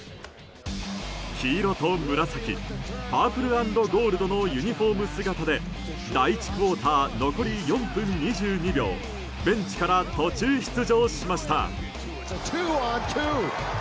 黄色と紫、パープル＆ゴールドのユニホーム姿で第１クオーター残り４分２２秒ベンチから途中出場しました。